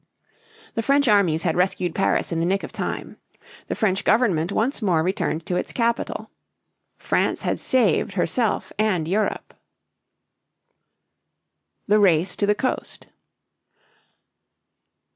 The French armies had rescued Paris in the nick of time. The French government once more returned to its capital. "France had saved herself and Europe." THE RACE TO THE COAST.